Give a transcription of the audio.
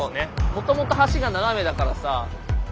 もともと橋が斜めだからさ。